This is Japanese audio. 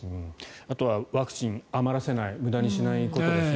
あとはワクチンを余らせない無駄にしないことですね。